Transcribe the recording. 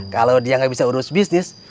kalau dia nggak bisa urus bisnis